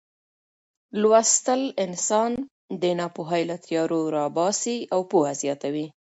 لوستل انسان د ناپوهۍ له تیارو راباسي او پوهه زیاتوي.